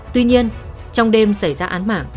tuy nhiên trong đêm xảy ra án mạng